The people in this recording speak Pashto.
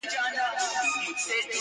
اوښکي دي پر مځکه درته ناڅي ولي!